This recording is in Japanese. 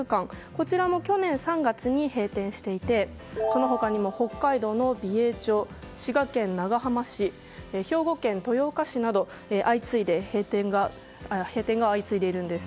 こちらも去年３月に閉店していてその他にも、北海道美瑛町滋賀県長浜市兵庫県豊岡市などで閉店が相次いでいるんです。